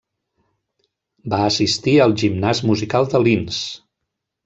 Va assistir al Gimnàs musical de Linz.